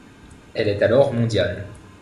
Elle est alors mondiale.